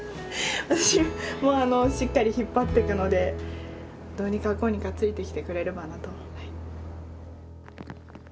私もしっかり引っ張ってくのでどうにかこうにかついてきてくれればなと。